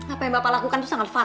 apa yang bapak lakukan itu sangat fit